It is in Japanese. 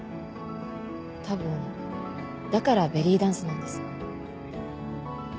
多分だからベリーダンスなんです。